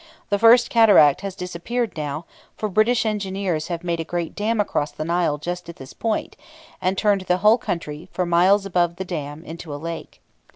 The First Cataract has disappeared now, for British engineers have made a great dam across the Nile just at this point, and turned the whole country, for miles above the dam, into a lake.